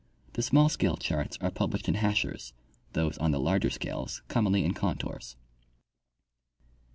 The small scale charts are published in hachures, those on the larger scales commonly in contours.